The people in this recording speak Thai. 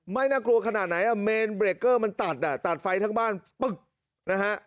น่ากลัวขนาดไหนอ่ะเมนเบรกเกอร์มันตัดอ่ะตัดไฟทั้งบ้านปึ๊กนะฮะ